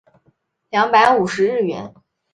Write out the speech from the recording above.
两百五十日圆